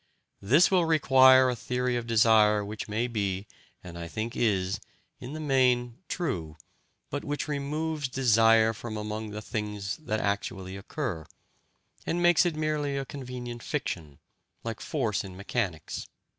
This will require a theory of desire which may be, and I think is, in the main true, but which removes desire from among things that actually occur, and makes it merely a convenient fiction, like force in mechanics.